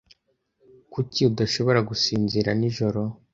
Kuki udashobora gusinzira nijoro?